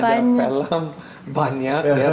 ada film banyak ya